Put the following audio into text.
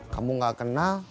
kamu gak kenal